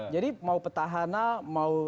jadi mau petahana mau